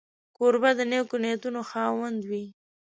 کوربه د نېکو نیتونو خاوند وي.